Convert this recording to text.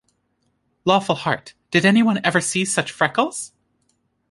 Lawful heart, did any one ever see such freckles?